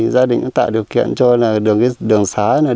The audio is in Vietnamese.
gia đình tạo điều kiện cho đường xá